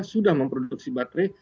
sudah memproduksi baterai